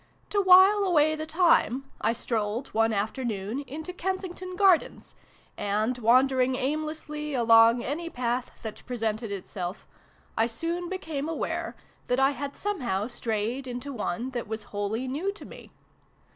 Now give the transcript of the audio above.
To while away the time, I strolled, one after noon, into Kensington Gardens, and, wandering aimlessly along any path that presented itself, I soon became aware that I had somehow strayed into one that was wholly new to me.